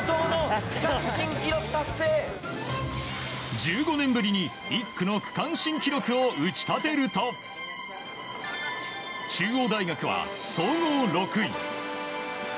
１５年ぶりに１区の区間新記録を打ち立てると中央大学は総合６位。